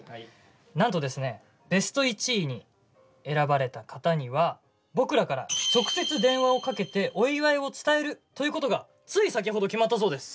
なんとですねベスト１位に選ばれた方には僕らから直接電話をかけてお祝いを伝えるということがつい先ほど決まったそうです。